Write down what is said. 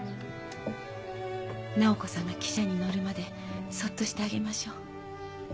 菜穂子さんが汽車に乗るまでそっとしてあげましょう。